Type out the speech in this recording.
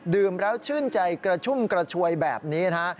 แล้วชื่นใจกระชุ่มกระชวยแบบนี้นะฮะ